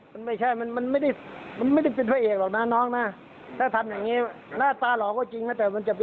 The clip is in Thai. พี่ไม่ได้เคยพูดให้มันดีอะมันไม่เป็นไรถ้าพูดดีไม่เป็นไร